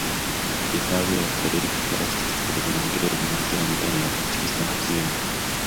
Hifadhi ya Taifa ya Serengeti inaanzia mita mia tisa hamsini